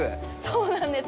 そうなんです。